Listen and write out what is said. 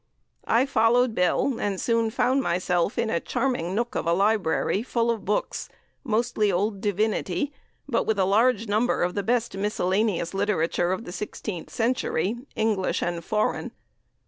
I followed 'Bill,' and soon found myself in a charming nook of a library, full of books, mostly old divinity, but with a large number of the best miscellaneous literature of the sixteenth century, English and foreign.